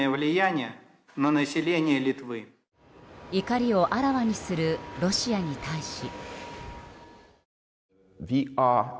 怒りをあらわにするロシアに対し。